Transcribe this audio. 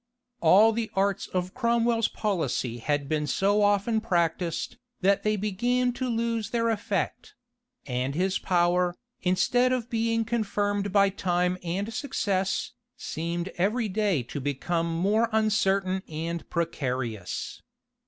{1658.} All the arts of Cromwell's policy had been so often practised, that they began to lose their effect; and his power, instead of being confirmed by time and success, seemed every day to become more uncertain and precarious.